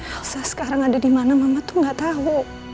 elsa sekarang ada dimana mama tuh gak tau